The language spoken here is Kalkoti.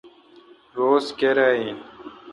روز کیرا این۔